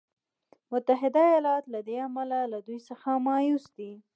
متحده ایالات له دې امله له دوی څخه مایوس دی.